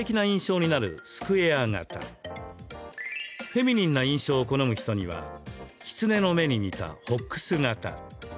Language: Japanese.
フェミニンな印象を好む人にはキツネの目に似たフォックス型。